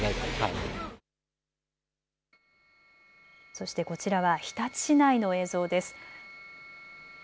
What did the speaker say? そしてこちらは日立市内の映像です。